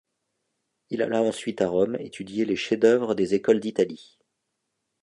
Il alla ensuite à Rome étudier les chefs-d’œuvre des écoles d’Italie.